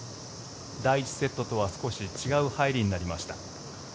第１セットとは少し違う入りになりました。